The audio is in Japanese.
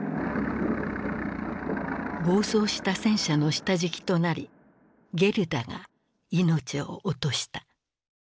暴走した戦車の下敷きとなりゲルダが命を落とした。